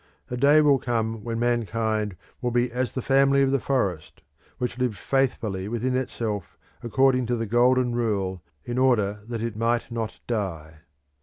A day will come when mankind will be as the Family of the Forest, which lived faithfully within itself according to the Golden Rule in order that it might not die.